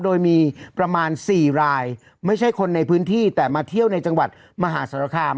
โดยมีประมาณ๔รายไม่ใช่คนในพื้นที่แต่มาเที่ยวในจังหวัดมหาสารคาม